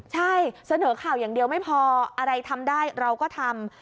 ใช่เสนอข่าวอย่างเดียวไม่พออะไรทำได้เราก็ทำ